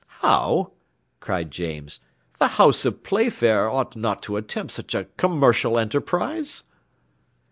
"How!" cried James, "the house of Playfair ought not to attempt such a commercial enterprise?"